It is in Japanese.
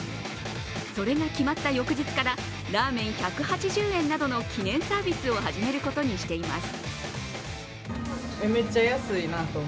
それが決まった翌日からラーメン１８０円などの記念サービスを始めることにしています。